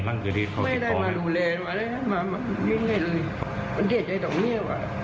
ไว้เยี่ยมใจตรงนี้